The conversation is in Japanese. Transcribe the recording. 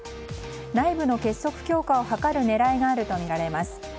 内部の結束強化を図る狙いがあるとみられます。